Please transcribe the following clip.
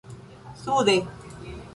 sude